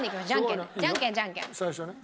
「最初は」ね。